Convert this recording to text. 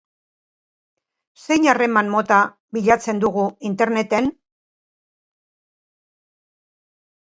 Zein harreman mota bilatzen dugu interneten?